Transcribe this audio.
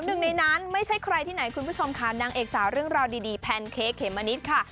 หนึ่งในนั้นไม่ใช่ใครที่ไหนคุณผู้ชมค่ะนางเอกสาวเรื่องราวดีแพนเค้กเขมมะนิดค่ะ